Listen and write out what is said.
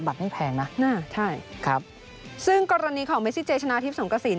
ไม่แพงนะใช่ครับซึ่งกรณีของเมซิเจชนะทิพย์สงกระสิน